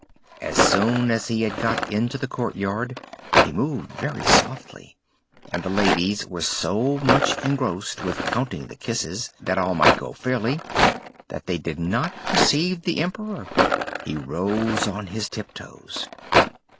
As soon as he had got into the court yard, he moved very softly, and the ladies were so much engrossed with counting the kisses, that all might go on fairly, that they did not perceive the Emperor. He rose on his tiptoes.